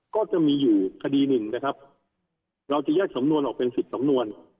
ก็จะมีอยู่คดีหนึ่งนะครับเราจะแยกสำนวนออกเป็น๑๐สำนวน